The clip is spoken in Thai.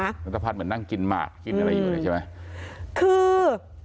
นัทพัฒน์เหมือนนั่งกินหมากกินอะไรอยู่เนี่ยใช่ไหมคือ